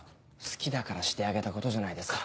好きだからしてあげたことじゃないですか。